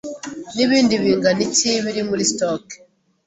Nibindi bingana iki biri muri stock?